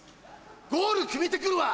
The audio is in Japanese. ゴール決めてくるわ‼